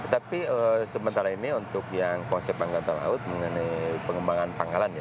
tapi sementara ini untuk yang konsep angkatan laut mengenai pengembangan pangkalan ya